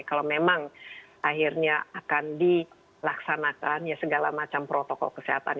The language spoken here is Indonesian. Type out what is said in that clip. kalau memang akhirnya akan dilaksanakan ya segala macam protokol kesehatan